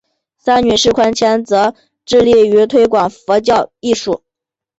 三女释宽谦则致力于推广佛教艺术。